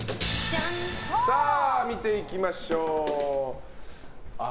見ていきましょう。